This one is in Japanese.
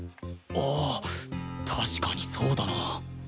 ああ確かにそうだな。